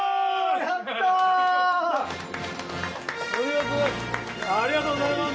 ではありがとうございます。